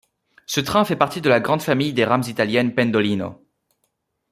Ce train fait partie de la grande famille des rames italiennes Pendolino.